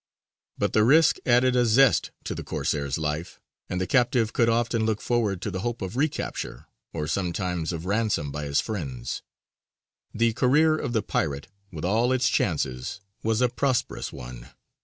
But the risk added a zest to the Corsair's life, and the captive could often look forward to the hope of recapture, or sometimes of ransom by his friends. The career of the pirate, with all its chances, was a prosperous one.